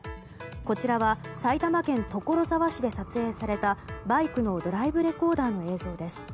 こちらは埼玉県所沢市で撮影されたバイクのドライブレコーダーの映像です。